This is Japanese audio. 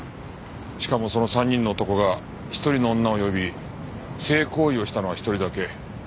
しかもその３人の男が１人の女を呼び性行為をしたのは１人だけ。